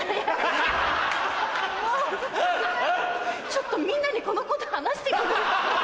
ちょっとみんなにこのこと話して来る。